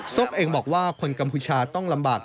เองบอกว่าคนกัมพูชาต้องลำบาก